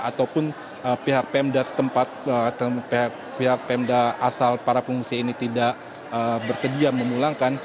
ataupun pihak pemda setempat pihak pemda asal para pengungsi ini tidak bersedia memulangkan